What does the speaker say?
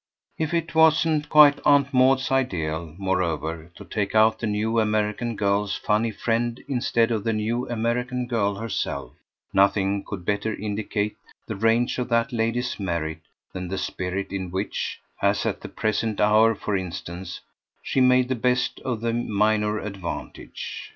If it wasn't quite Aunt Maud's ideal, moreover, to take out the new American girl's funny friend instead of the new American girl herself, nothing could better indicate the range of that lady's merit than the spirit in which as at the present hour for instance she made the best of the minor advantage.